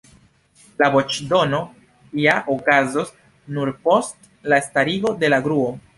La voĉdono ja okazos nur post la starigo de la gruo.